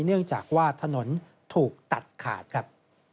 เนื่องจากว่าถนนถูกตัดขาดครับ